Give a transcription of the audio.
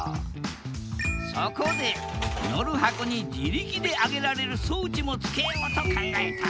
そこで乗る箱に自力で上げられる装置も付けようと考えた。